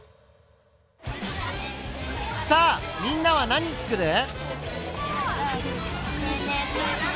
さあみんなは何つくる？